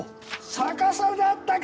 逆さだったか！